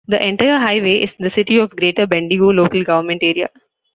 The entire highway is in the City of Greater Bendigo local government area.